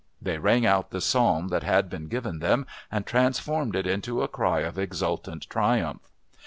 They rang out the Psalm that had been given them, and transformed it into a cry of exultant triumph.